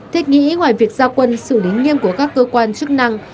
thích nghĩ ngoài việc ra quân xử lý nghiêm của các cơ quan chức năng